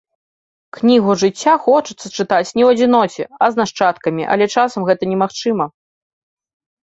Кнігу жыцця хочацца чытаць не ў адзіноце, а з нашчадкамі, але часам гэта немагчыма.